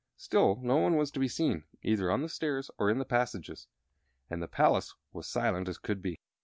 Still no one was to be seen either on the stairs or in the passages, and the palace was silent as could be.